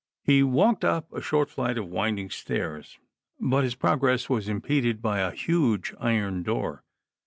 He walked up a short flight of winding stairs, but his progress was impeded by a huge iron door.